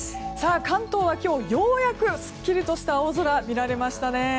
関東は今日ようやくすっきりとした青空が見られましたね。